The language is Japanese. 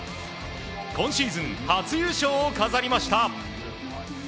今シーズン初優勝を飾りました。